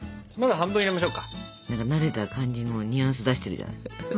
何か慣れた感じのニュアンス出してるじゃない。